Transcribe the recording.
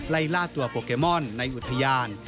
ไล่ล่าตัวโปเกมอนในอุทยาน